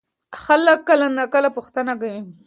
خلک کله ناکله پوښتنه کوي.